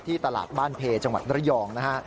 ตลาดบ้านเพจังหวัดระยองนะฮะ